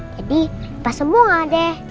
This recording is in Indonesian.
jadi lupa semua deh